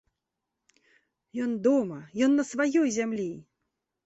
Ён дома, ён на сваёй зямлі!